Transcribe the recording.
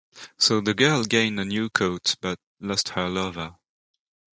So the girl gained a new coat but lost her lover.